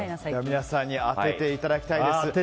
皆さんに当てていただきたいです。